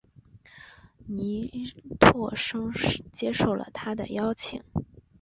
倪柝声接受了他的邀请。